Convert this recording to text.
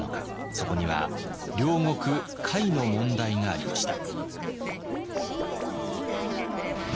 そこには領国甲斐の問題がありました。